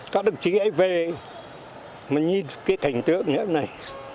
các đồng chí hãy về mà nhìn cái cảnh tượng như thế này